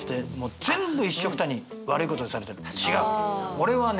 俺はね